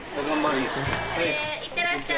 ・いってらっしゃい。